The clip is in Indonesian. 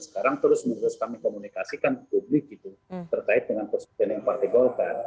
sekarang terus meneruskan mengkomunikasikan publik itu terkait dengan persediaan yang partai golkar